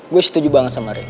gue setuju banget sama ria